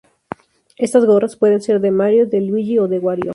Estas gorras pueden ser de Mario, de Luigi o de Wario.